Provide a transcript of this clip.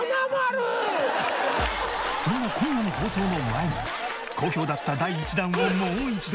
そんな今夜の放送の前に好評だった第１弾をもう一度！